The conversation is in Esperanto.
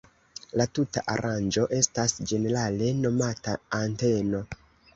La tuta aranĝo estas ĝenerale nomata anteno.